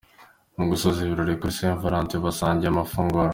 Mu gusoza ibirori kuri St Valentin basangiye amafunguro.